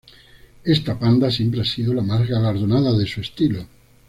Esta panda siempre ha sido la más galardonada de su estilo.